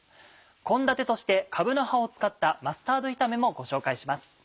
献立としてかぶの葉を使ったマスタード炒めもご紹介します。